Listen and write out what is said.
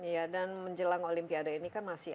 ya dan menjelang olimpiade ini kan masih